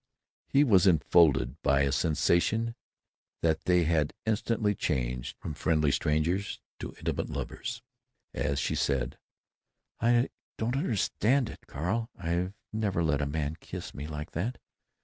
He was enfolded by a sensation that they had instantly changed from friendly strangers to intimate lovers, as she said: "I don't understand it, Carl. I've never let a man kiss me like that.